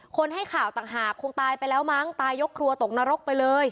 ให้ข่าวต่างหากคงตายไปแล้วมั้งตายยกครัวตกนรกไปเลย